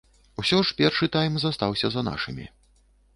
Усё ж першы тайм застаўся за нашымі.